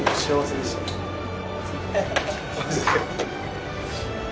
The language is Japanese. マジで。